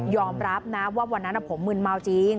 รับนะว่าวันนั้นผมมืนเมาจริง